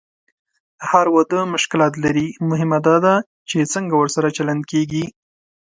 هر واده مشکلات لري، مهمه دا ده چې څنګه ورسره چلند کېږي.